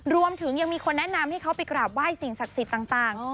รวมถึงยังมีคนแนะนำให้เขาไปกราบไหว้สิ่งศักดิ์สิทธิ์ต่าง